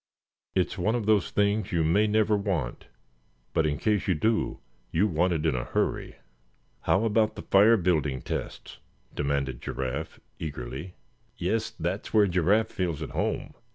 It's one of those things you may never want; but in case you do, you want it in a hurry." "How about the fire building tests?" demanded Giraffe, eagerly. "Yes, that's where Giraffe feels at home.